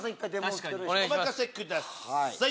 お任せください！